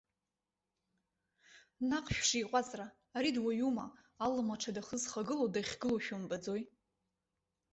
Наҟ шәшиҟәаҵра, ари дуаҩума, алым аҽадахы зхагылоу дахьгылоу жәымбаӡои!